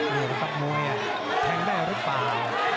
มตกมวยเนี่ยแต่ได้หรือเปล่า